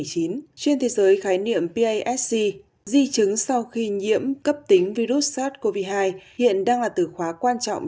trên thế giới khái niệm pasc di chứng sau khi nhiễm cấp tính virus sars cov hai hiện đang là từ khóa quan trọng